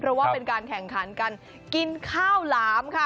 เพราะว่าเป็นการแข่งขันกันกินข้าวหลามค่ะ